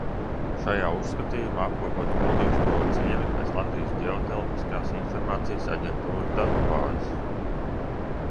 Šajā uzskatījumā apkopoti Kuldīgas novada ciemi pēc Latvijas Ģeotelpiskās informācijas aģentūras datubāzes.